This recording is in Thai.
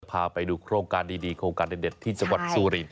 พาไปดูโครงการดีโครงการเด็ดที่จังหวัดซูริน